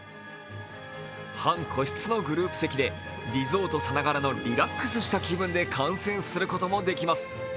半個室のグループ席でリゾートさながらのリラックスした気分で観戦することもできます。